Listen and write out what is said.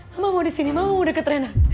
mama mau di sini mama mau deket raina